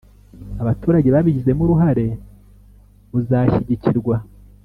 abaturage babigizemo uruhare buzashyigikirwa.